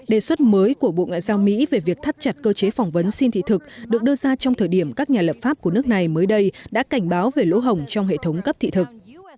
đề xuất mới của bộ ngoại giao mỹ về việc thắt chặt cơ chế phỏng vấn xin thị thực được đưa ra trong thời điểm các nhà lập pháp của nước này mới đây đã cảnh báo về lỗ hồng trong hệ thống cấp thị thực